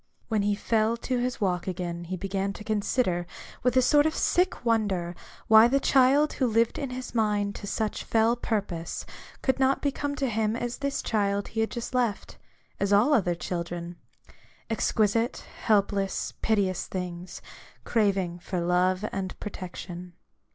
When he fell to his walk again, he began to consider, with a sort of sick wonder, why the child who lived in his rnind to such fell purpose, could not become to him as this child he had just left : as all other children, — exquisite, helpless, piteous things, craving for love and protection.